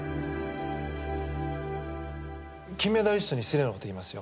金メダリストに失礼なこと言いますよ。